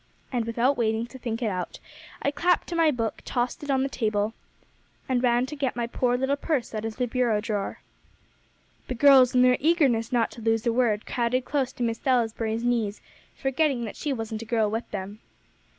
And without waiting to think it out, I clapped to my book, tossed it on the table, and ran to get my poor little purse out of the bureau drawer." The girls, in their eagerness not to lose a word, crowded close to Miss Salisbury's knees, forgetting that she wasn't a girl with them.